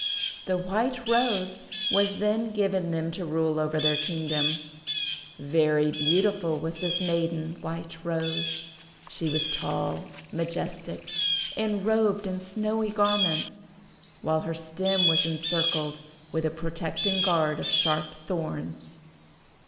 The White Rose was then given them to rule over their Kingdom. Very beautiful was this maiden White Rose. She was tall, majestic, and robed in snowy garments, while her stem was encircled with a protecting guard of sharp thorns.